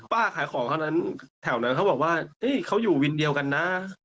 ขายของเท่านั้นแถวนั้นเขาบอกว่าเขาอยู่วินเดียวกันนะ